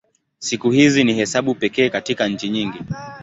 Siku hizi ni hesabu pekee katika nchi nyingi.